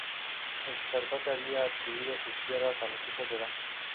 El sacerdote había adquirido sus tierras a los hijos de Da.